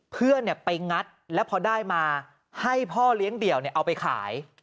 เพื่อนไปงัดแล้วพอได้มาให้พ่อเลี้ยงเดี่ยวเอาไปขาย